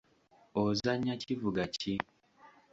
Ozannya kivuga ki?